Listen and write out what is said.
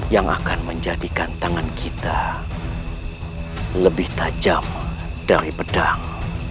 yang akan menjadikan tangan kita lebih tajam dari pedang